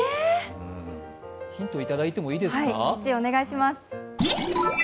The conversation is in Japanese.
ヒントいただいてもいいですか。